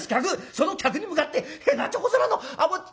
その客に向かってへなちょこ面のあぼち」。